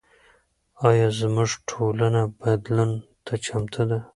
ایا زموږ ټولنه بدلون ته چمتو ده؟